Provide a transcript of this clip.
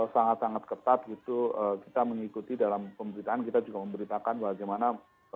sangat sangat ketat gitu kita mengikuti dalam pemberitaan kita juga memberitakan bagaimana